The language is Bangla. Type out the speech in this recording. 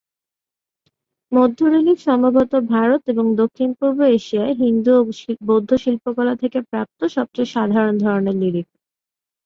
মধ্য-রিলিফ সম্ভবত ভারত এবং দক্ষিণ-পূর্ব এশিয়ায় হিন্দু ও বৌদ্ধ শিল্পকলা থেকে প্রাপ্ত সবচেয়ে সাধারণ ধরনের রিলিফ।